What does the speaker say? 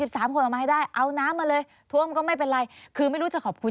สามคนออกมาให้ได้เอาน้ำมาเลยท่วมก็ไม่เป็นไรคือไม่รู้จะขอบคุณ